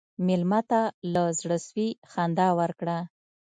مېلمه ته له زړه سوي خندا ورکړه.